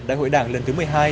đại hội đảng lần thứ một mươi hai